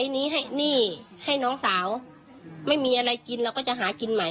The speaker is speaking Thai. พีชเท่าสมใจบนลมัน